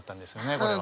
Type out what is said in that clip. これは。